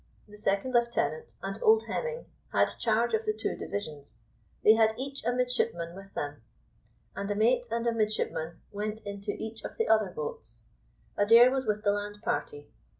The second lieutenant and old Hemming had charge of the two divisions; they had each a midshipman with them, and a mate and a midshipman went into each of the other boats. Adair was with the land party.